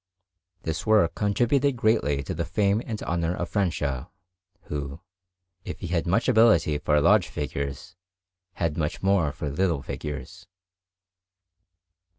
This work contributed greatly to the fame and honour of Francia, who, if he had much ability for large figures, had much more for little figures.